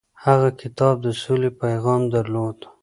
هغه کتاب د سولې پیغام درلود.